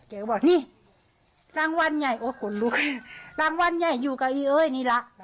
บอกนี่รางวัลใหญ่โอ้ขนลุกรางวัลใหญ่อยู่กับอีเอ้ยนี่ละ